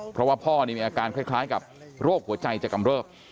เพราะว่าพ่อนี่มีอาการคล้ายกับโรคหัวใจจะกำเริบ